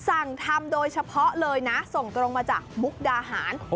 สั่งทำโดยเฉพาะเลยนะส่งตรงมาจากมุกดาหาร